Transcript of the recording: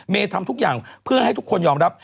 ทำทุกอย่างเพื่อให้ทุกคนยอมรับ